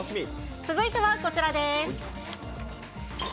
続いてこちらです。